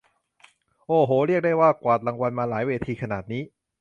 โอ้โห เรียกได้ว่ากวาดรางวัลมาหลายเวทีขนาดนี้